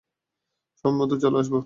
সময়মতোই চলে আসব।